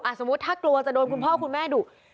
สมมุติถ้ากลัวจะโดนคุณพ่อคุณแม่ดุ